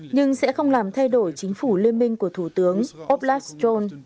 nhưng sẽ không làm thay đổi chính phủ liên minh của thủ tướng oflastrol